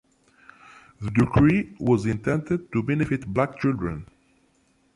The decree was intended to benefit black children.